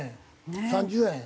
３０円。